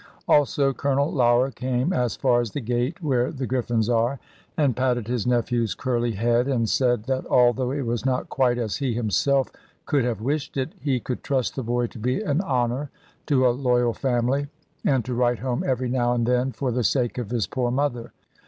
Also Colonel Lougher came as far as the gate, where the griffins are, and patted his nephew's curly head; and said that although it was not quite as he himself could have wished it, he could trust the boy to be an honour to a loyal family, and to write home every now and then, for the sake of his poor mother.